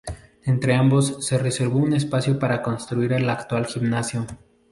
Entre ambos, se reservó un espacio para construir el actual gimnasio.